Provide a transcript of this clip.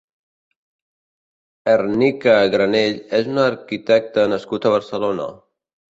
Ernique Granell és un arquitecte nascut a Barcelona.